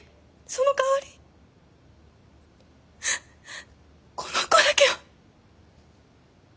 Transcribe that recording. そのかわりこの子だけは。